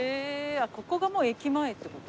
ここがもう駅前って事？